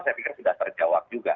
saya pikir sudah terjawab juga